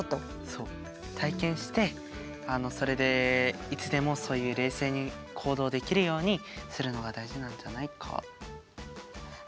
そう体験してそれでいつでもそういう冷静に行動できるようにするのが大事なんじゃないかと。